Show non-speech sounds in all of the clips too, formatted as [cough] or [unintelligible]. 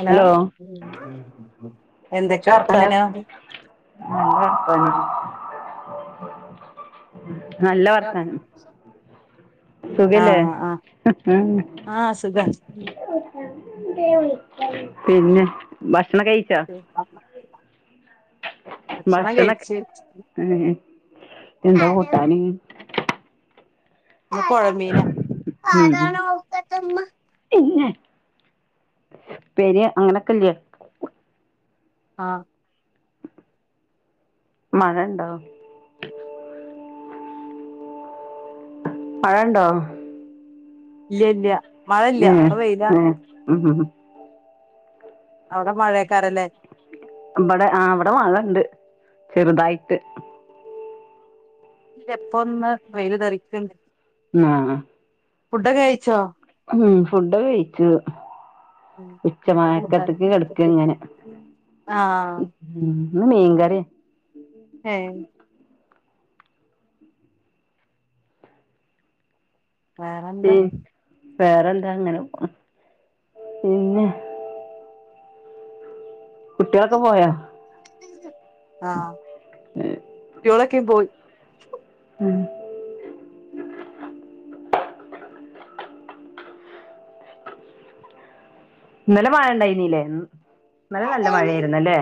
Hello എന്തൊക്കെ വർത്താനം നല്ല വർത്താനം നല്ല വർത്താനം സുഖല്ലേ ആഹ് ആഹ് ആഹ് സുഖാ പിന്നെ ഭക്ഷണം കഴിച്ചോ ഭക്ഷണം ഭക്ഷണ കഴിച്ച് എന്താ കൂട്ടാന് ഇവ്ടെ പൊഴമീന ഉം പിന്നെ ഉപ്പേരി അങ്ങനൊക്കെല്ല്യെ ആഹ് മഴ ഇണ്ടോ മഴണ്ടോ ഇല്ല്യ ഇല്ല മഴ ഇല്ല ഏ ഇപ്പ ഏ വെയിലാണ് ഉം ഉം. അവ്ടെ മഴേക്കാരല്ലേ ഇബടെ ആ ഇവടെ മഴണ്ട് ചെറ്തായിറ്റ് ഇല്ല ഇപ്പൊ ഒന്ന് വെയ്ല് ധറിക്ക്ണ്ട് ആഹ് ഫുഡൊക്കെ കഴിച്ചോ ഉം ഫുഡൊക്കെയിച്ചു എന്താ കൂട്ടാൻ ഉച്ചമായക്കത്ത്ക്ക് കെടക്ക ഇങ്ങനെ ആഹ് ഉം ഇന്ന് മീങ്കറി ആ ഏ വേറെന്താ ഉം വേറെന്താ അങ്ങനെ പോണു പിന്നെ കുട്ടികളൊക്കെ പോയോ ആഹ് കുട്ടികളൊക്കേ പോയി ഉം ഇന്നലെ മഴ ഉണ്ടായിനീല്ലേ ഇന്നലെ നല്ല മഴായിരുന്നുല്ലേ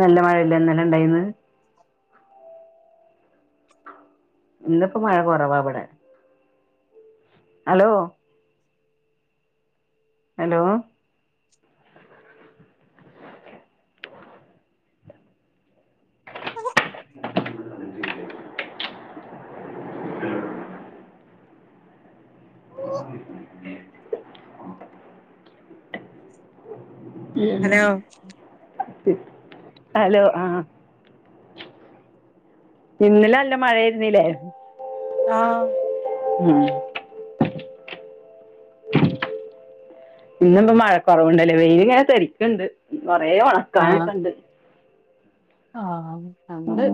നല്ല മഴയല്ലെ ഇന്നലെ ഉണ്ടായിന്ന് ഇന്നിപ്പോ മഴ കുറവാ ഇവിടെ ഹലോ ഹലോ ഉം [inaudible] ഹലോ ഹലോ ആഹ് ഇന്നലെ നല്ല മഴ ആയിരുന്നില്ലേ? ആഹ് ഉം ഇന്ന് ഇപ്പൊ മഴ കൊറവുണ്ടല്ലേ വെയില് ഇങ്ങനെ തെരിക്ക്ണ്ട് കോറേ ഒണ ആഹ് ക്കാനോക്കെണ്ട് ആഹ് ഞങ്ങള്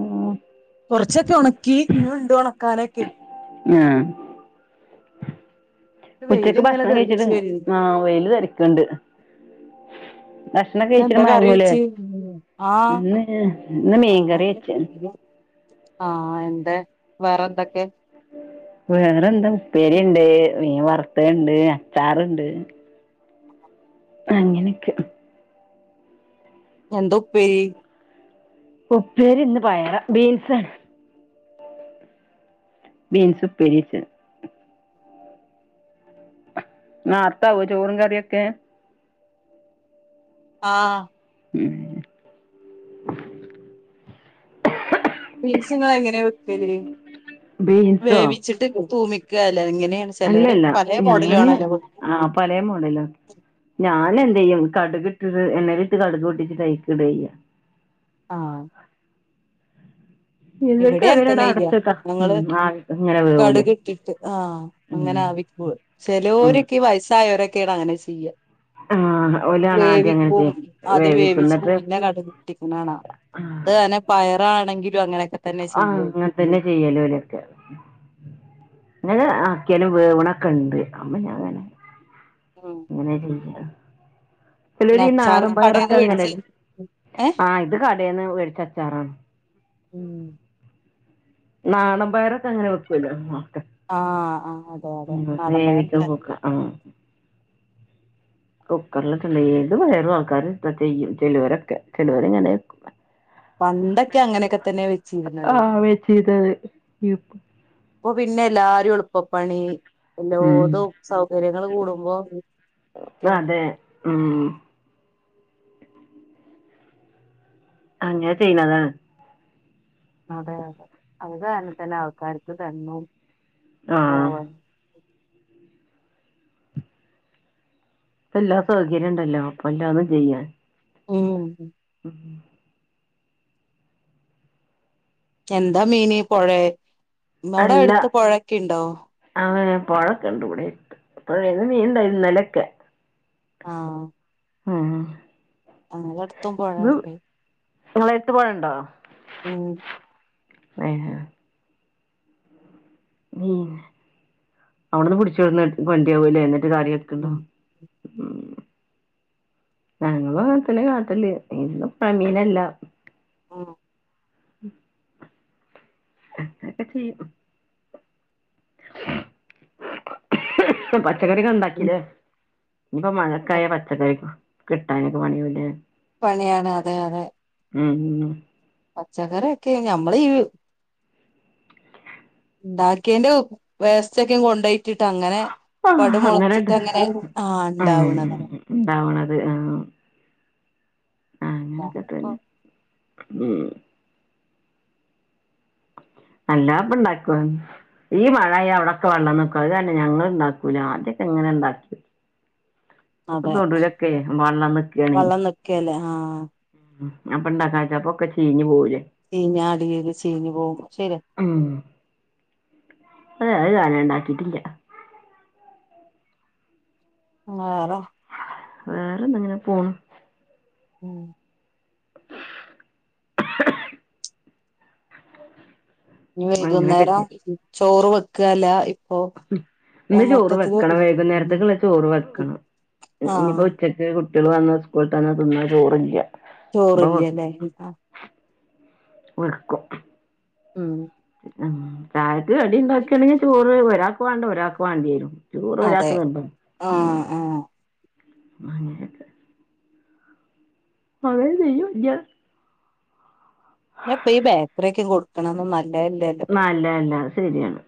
കൊർച്ചൊക്കെ ഒണക്കി ഇഞ്ഞും ഇണ്ട് ഒണക്കാനൊക്കെ ആഹ് വെയില് ഉച്ചക്ക് ഇങ്ങനെ ഭക്ഷണം തെറിച്ച് കഴിച്ചിട്ട് വരുന്നു ആഹ് ഇന്ന് വെയില് തെരിക്ക്ണ്ട് ഭഷ്ണം കഴിച്ചിട്ട് എന്താ കറി മയങ്ങൂലേ വെച്ച് ആഹ് ഇന്ന് ഇന്ന് മീൻകറിയാ വെച്ച ആഹ് എന്താ വേറെ എന്തോക്കെ? വേറെന്ത ഉപ്പേരി ഇണ്ട്, മീൻ വർത്തത് ഇണ്ട്, അച്ചാറുണ്ട് അങ്ങനെക്കെ എന്താ ഉപ്പേരി? ഉപ്പേരി ഇന്ന് പയറ് ബീൻസ് ബീൻസ് ഉപ്പേരി വെച്ച് നാർതാവോ ചോറും കറിയൊക്കെ? ആഹ് ഉം ബീൻസ് ഇങ്ങള് എങ്ങനെ വെക്കല് ബീൻസോ വേവിച്ചിട്ട് തൂമിക്കല്ലേ എങ്ങനെണ്? ചെലോര് പലെ മോഡലു ആണല്ലോ വെ ആഹ് പലെ മോഡല ഞാന് എന്തയ്യും കടക് ഇട്ടിട്ട് എണ്ണയിൽ ഇട്ട് കടുക് പൊട്ടിച്ചിട്ട് അയ്ക്കിട ചെയ്യ ആഹ് എന്നിട്ട് ഇവടെ അങ്ങൻ അതിനടെ തന്നെ ചെയ്യാ അടച്ചക്കാ ഉം ഞങ്ങള് ആവിക്ക് ഇങ്ങനെ വേവൂലേ കടുക് ഇട്ടിട്ട് ആഹ് ഉം അങ്ങനെ ആവിക്കൂ പോ ഉം ചെലോരൊക്കെ വയസ്സായോരൊക്കെ ആണ് അങ്ങനെ ചെയ്യ ആഹ് ഓലാണ് ആദ്യം അങ്ങനെ വേവിക്കും ചെയ്യ അത് വേവിക്കും വേവിച്ച് ന്നിട്ട് പിന്നെ കടുക് പൊട്ടിക്ക്ണ കാണാ ആഹ് ത് അങ്ങനെ പയറാണെങ്കിലും അങ്ങനെക്കെ ആഹ് അങ്ങൻത്തന്നെ ചെയ്യല് ഓലക്കെ ഇങ്ങനെ ആക്കിയാലും വേവ്ണൊക്കെ ഇണ്ട് അമ്മ ഞാങ്ങനെ [unintelligible] [unintelligible] പിന്നെ ചെലോല് ഈ അച്ചാറ് നാടൻ കടേന്ന് പയറൊക്കെ മേടിച്ച ഇങ്ങനെല്ലേ ഏഹ് ആഹ് ഇത് കടേന്ന് മേടിച്ച അച്ചാറാണ് ഉം നാടൻ പയറോക്കെ അങ്ങനെ വെക്കൂല്ലൊ നോക്ക ആഹ് ആഹ് അതെ അതെ നാടൻ പയറ് വെക്ക ആഹ് കുക്കർല് ഇട്ടിട്ട്ണ്ടങ്കി ഏത് പയറും ആൾക്കാര് ഇത്ത ചെയ്യും ചെലോരൊക്കെ ചെലോര് ഇങ്ങനെക്കും പണ്ടൊക്കെ അങ്ങനെക്കെ തന്നെ വെച്ചിരുന്നത് ആഹ് വെച്ചീതത് ഇപ്പൊ പിന്നെ എല്ലാരും എളുപ്പ പണി ഉം എല്ലാതും സൗകര്യങ്ങള് കൂടുമ്പോ ഒക്കെ അതെ ഉം അങ്ങനെ ചെയ്യ്ണതാണ് അതെ അതെ അത് കാരണം തന്നെ ആൾക്കാർക്ക് ദണ്ണം ഓ ആഹ് ഇപ്പൊഎല്ലാ സൗകര്യം ഉണ്ടല്ലോ അപ്പ എല്ലാതും ചെയ്യാൻ ഉം എന്താ മീന് പുഴെ അടുത്ത് പുഴൊക്കെ ഇണ്ടോ ആ പുഴക്കുണ്ട് ഇവിടെ എര്ത്ത് പുഴേന്ന്മീൻഇണ്ടാഴിന്നു ഇന്നലെ ഒക്കെ ആഹ് ഉം ഞങ്ങളെ അട്ത്തും പൊഴണ്ടയ് ഇങ്ങളെ എട്ത്ത് പൊഴണ്ടോ ഉം ഉംഅവടെന്ന് പിടിച്ചടന്ന് കൊണ്ടരാവുല്ലേ എന്നിട്ട് കാറിഴ വെക്ക് ഉം ണണ്ടാവും ഉം ഞങ്ങളും അങ്ങനെത്തന്നെ കാട്ടല് ഇന്നും പണീലല്ല ഉം അങ്ങനെക്കെ ചീയ്യും പച്ചക്കറി ഒക്കെ ഉം ഉണ്ടാക്കീല്ലേ ഇഞ്ഞിപ്പൊ മഴ ഒക്കെ ആയ പച്ചക്കറി കിട്ടാനൊക്കെ പണി ആവുംല്ലെ പണിയാണ് അതെ അതെ ഉം ഉം പച്ചക്കറിയൊക്കെ ഞമ്മളീ ഇണ്ടാക്കിയന്റെ വേസ്റ്റോക്കെ കൊണ്ടുപോയി ട്ടിട്ട് അങ്ങനെ ആഹ് അങ്ങനെണ്ട് പടുമുളച്ചിട്ടങ്ങനെ ആ ആഹ് ഇണ്ടാവണതാ ഇണ്ടാവണത് ആഹ് അങ്ങനൊക്കെ തന്നെ ഉം അല്ലാതെ ഇപ്പൊ ഇണ്ടാക്കോ ഈ മഴ ആയ അവിടൊക്കെ വെള്ളം നിക്കും അത് കാരണം ഞങ്ങൾ ഇണ്ടാക്കൂല ആദ്യൊക്കെ ഇങ്ങനെ ഇണ്ടാക്കി ഇപ്പൊ അതെ തൊടൂലൊക്കെ വള്ളം നിക്കാണ് വെള്ളം നിക്കല്ലേ ആ അപ്പൊ ഇണ്ടാക്കാഴിട്ട അപ്പോ ഒക്കെ ചീഞ്ഞ് പോകൂലേ ചീഞ്ഞ അടീന്ന് ചീഞ്ഞു പോകും ശരിയ ഉം അത് അത് കാരണം ഇണ്ടാക്കിയിട്ടില്ല വേറെ വേറെന്ത ഇങ്ങനെ പോണു ഉം ഇഞ്ഞി അങ്ങനൊക്കെ വൈകുന്നേരം ചെയ്യും ചോറ് വെക്കല്ല ഇപ്പൊ ഇന്ന് ചോറ് മൊത്തത്തില് വെക്കണം വൈകുന്നേരത്തേക്കുള്ള ചോറ് വെക്കണം ആ ഇഞ്ഞിയിപ്പോ ഉച്ച കുട്ടേൾ വന്ന സ്കൂൾട്ട് വന്നാ തിന്നാൻ ചോറില്ല അപ്പൊ ചോറില്ല ഇല്ലെ വെക്കും ഉം ഉ ചായക്ക് കടിണ്ടാക്കണങ്കി ചോറ് ഒരാക്ക് വേണ്ട ഒരാക്ക് വേണ്ടി വരും ചോറ് അതെ ഒരാൾക്ക് നിർബന്ധം ആ ആ അങ്ങനെ മഴ പെയ്യോ ഇല്ല ഞ ഇപ്പൊ ഈ ബേക്കറിഒക്കെ കൊടുക്കണംന്നും നല്ലതല്ലല്ലോ ള്ളാല്ല ല്ല അത് ശെര്യാണ്.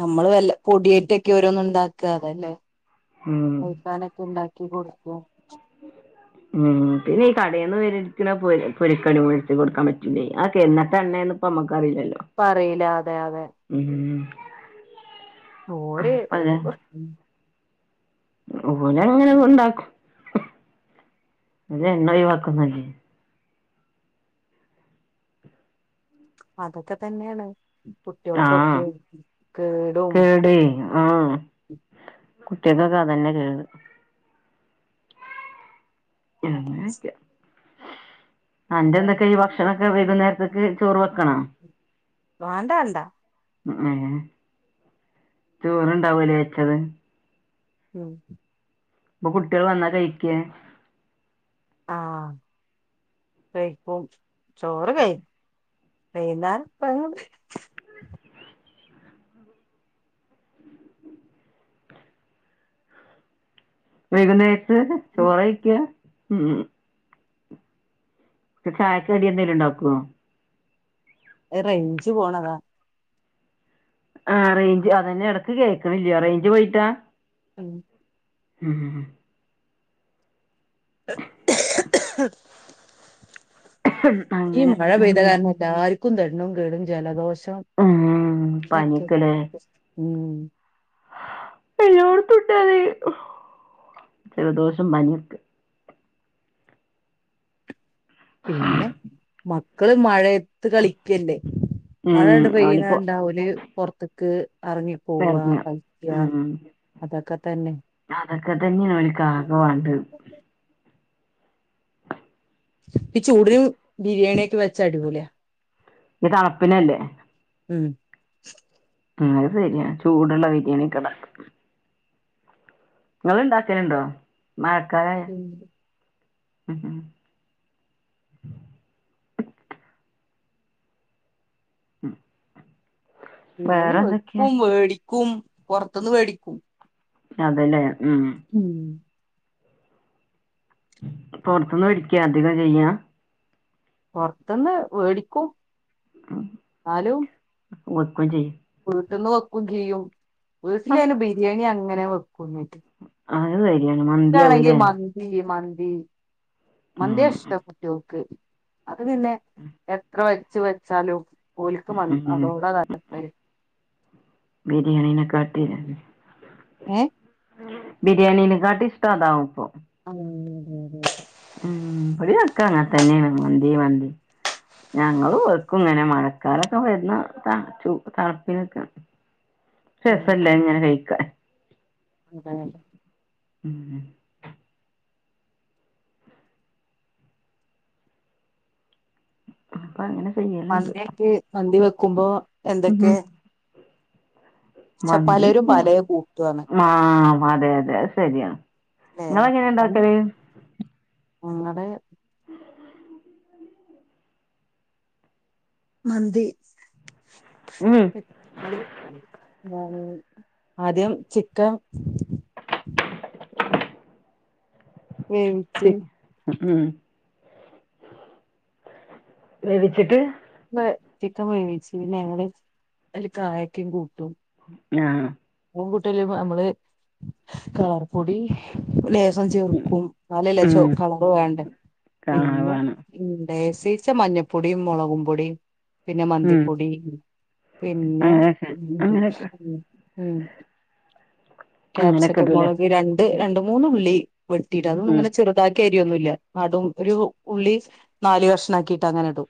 നമ്മള് വല്ല കൊട്യെയ്റ്റൊക്കൊരോന്ന്ണ്ടാക്ക തല്ല ഉം കൂട്ടാനൊക്കെ ണ്ടാക്കി കൊടുക്കോ ഉം പിന്നെ ഈ കടേന്ന് വേടിക്കലാ പൊരി പൊരി കടികളൊക്കെ കൊടുക്കാൻ പറ്റൂല്ലേ അക്കെന്നത്തെണ്ണെണ് പ്പമ്മക്കറിലല്ലോ ക്കറീല അതെ യതെ ഉം ഓര് [unintelligible] ഉം ഓരങ്ങനത്ണ്ടാക്കും ഇത് അമ്മള് ഒഴിവാക്കുന്നല്ലേ അതൊക്കെ തെന്നെണ് കുട്ട്യെൾക്കൊക്കെ കേടും. ടും ആഹ് കുട്ട്യെക്കൊക്കെ അതെന്നെ കേട്. അങ്ങനെക്കെ വേണ്ട അന്റെന്തൊക്കെ ഈ ഭക്ഷണൊക്കെ വൈകുന്നേരത്തേക്ക് ചോറ് വെക്കണോ? വാണ്ടാ വാണ്ടാ ഉം ചോറ്ണ്ടാവുലെ വെച്ചത് ഉം ഇപ്പ കുട്ട്യെള് വന്നാ കഴിക്ക? ആഹ് കഴിക്കും ചോറ് കഴി വൈന്നാരപ്പം വൈകുന്നേരത്തേക്ക് ചോറയ്ക്കും. ഉം ഇപ്പ ചായക്കടി എന്തേലുണ്ടാക്കോ? അത് റെയ്ഞ്ച് പോണതാ. ആഹ് റേഞ്ച് അതെന്നെ എടക്ക് കേക്ക്ണില്ല്യ റെയ്ഞ്ച് പോയിട്ടാ ഉം ഉം [unintelligible] ഈ മഴ പെയ്ത ഉം കാരണെല്ലാര്ക്കും തെണ്ണും കേടും ജലദോഷം ഉം പനിയൊക്കെല്ലേ [unintelligible] ഉം എല്ലാർക്കുണ്ടത് ജലദോഷം പന്യൊക്കെ പിന്നെ മക്കള് മഴ ത്ത് കളിക്കല്ലേ ഉം മഴാണ്ട് ഓലിക്ക് പെയ്യ്ണണ്ടാ ഓല് പൊർത്ത്ക്ക് എർങ്ങി പോവ ഇറങ്ങ കഴിക്ക ഉം അതൊക്കെ തെന്നെ അതൊക്കെ തെന്ന്യെണ് നില്ക്കാക്കെവാണ്ടെ ഈ ചൂടില് ബിരിയാണ്യൊക്കെ വെച്ചാ അടിപൊള്യാ. ത് തണ്പ്പിനല്ലേ ഉം ഉം അത് ശെര്യാ ചൂടുള്ള ബിരിയാണി, ക്കടായി ഇങ്ങള്ണ്ടാക്കല്ണ്ടോ മഴക്കാലായ ഉം ഉം ഉം ബിരിയാണി വെക്കും വേടിക്കും പോർത്ത്ന്ന് വേടിക്കും. അതെല്ലേ ഉം ഉം പുറത്തുന്ന് പിടിക്ക അധികം ചെയ്യാ പുറത്തന്ന് പിടിക്കും എന്നാലും [unintelligible] വീട്ട്ന്ന് വെക്കും ചെയ്യും, ആ, വീട്ട്ലയ്ന് ബിരിയാണിയങ്ങനെ വെക്കുംന്ന്ട്ട്. [inaudible] [unintelligible] റ്റാണെങ്കി, മന്തി മന്തി ഉം മന്ത്യാഷ്ടം കുട്ട്യോൾക്ക്. അത് പിന്നെ, എത്ര വച്ച് വെച്ചാലും ഓൽക്ക്‌ ഉം മന്തി ഉം അതോടാ താല്പര്യം ബിരിയാണിനെക്കാട്ടില് ഏ? ബിരിയാണിനെക്കാട്ടിഷ്ട്ടതാവുപ്പൊ! ആഹ് ആഹ്, ബടീയ്ക്കങ്ങൻതന്നേണ് മന്തി മന്തി ഞങ്ങള് വെക്കുങ്ങനെ, മഴക്കാലൊക്കെ വര്ന തണുപ്പിനെക്കെ. [inaudible] രസല്ലെങ്ങനെ കഴിക്കാ അതെ! അതെ! ഉം.. പ്പങ്ങനെ ചെയ്യ! മന്തിയാക്കി മന്തി വെക്കുമ്പോ, എന്തൊക്കെ? ച പലരും മന്തിയൊക്കെ, പലേ കൂട്ടുവാണ് ആഹ് അതെ അതെ അത് ശെരിയാണ്. ല്ലേ, അഹ് ഞങ്ങടെ- [inaudible] മന്തി [unintelligible] ഉം [unintelligible] ആദ്യം ചിക്ക വേവിച്ച് ഉം വേവിച്ചിട്ട്, ള് ചിക്കൻ വേവിച്ചു പിന്നെങ്ങള് അയ്ല് കായക്കിം കൂട്ടും. ആഹ് [unintelligible] അമ്മള് കളർ പൊടി ലേ ത് ചേർക്കും ന്നാലല്ലേ ഉം ചൊവപ്പ് കളറ് വേണ്ട പിന്നെ കാവാണ് ഉം ലേസീച്ചെ മഞ്ഞപ്പൊടിം മുളകും പൊടിം പിന്നെ ഉം മന്തിപ്പൊടി പിന്നെ, അങ്ങനെയൊക്കെ അങ്ങനെയൊക്കെ [unintelligible] അങ്ങനെയൊക്കെ ഇടൂലേ ക്യാപ്സിക്കമൊളക് രണ്ട്, രണ്ട്മൂന്നു ള്ളി വെട്ടിട ഉം അതൊന്ന്ങ്ങനെ ചെറു താക്കി അരിയൊന്നുല്ല, നടു ഒരു ഉള്ളി നാല് കഷ്ണാക്കിട്ടങ്ങനെ ഇടും.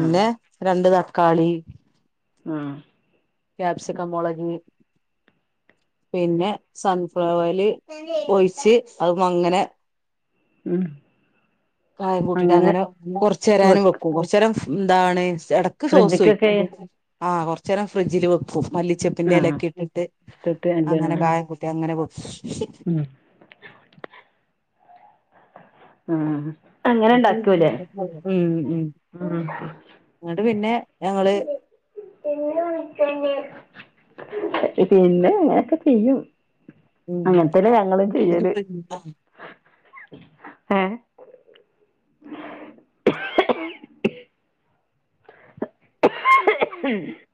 ആഹ് രണ്ട് തക്കാളി. ആഹ് ക്യാപ്സിക്കംമൊളക് പിന്നെ, സൺഫ്ലവർ ഓയിൽ ഒഴിച്ച് അങ്ങനെ- ഉം കായം അങ്ങനെ കൂട്ടീട്ടങ്ങനെ, ന്നെ കൊറച്ചേ രാനും വെക്കും വെക്കു കൊ ച്ചരം ന്താണ്, എടക്ക് സോസൊയ്ക്കു ഫ്രിഡ്ജിക്കൊക്കെ [unintelligible] ആ കൊറച്ചേരം ഫ്രിഡ്ജിൽ വെക് ക്കും ആഹ് മല്ലിച്ചെപ്പിന്റെലക്കെട്ടിട്ട് ഇട്ടിട്ട് അല്ലേ അങ്ങനെ കായംകൂട്ടി അങ്ങനെ വെ ഉം ആഹ് എന്നിട്ട് അങ്ങനെണ്ടാക്കൂലേ! ആ ന്ന്ട്ട് പിന്നെ ഞങ്ങള് പിന്നെ അങ്ങനെയൊക്കെ ചെയ്യും. [unintelligible] ഏഹ് [unintelligible] [unintelligible]